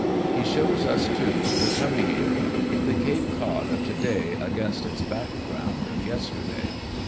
He shows us, too, the coming era, the Cape Cod of today against its background of yesterday.